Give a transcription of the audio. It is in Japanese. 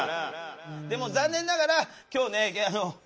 でも残念ながら今日ねゲイ私ら。